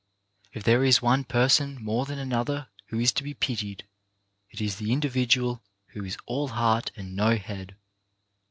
If there is one person more than another who is to be pitied, it is the individual who is all heart and no head.